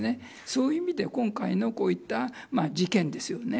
そういう意味で今回のこういった事件ですよね。